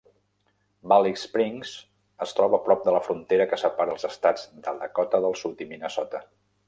Valley Springs es troba a prop de la frontera que separa els estats de Dakota del Sud i Minnesota.